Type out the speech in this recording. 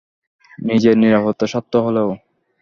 নিজের নিররাপত্তার স্বার্থে হলেও!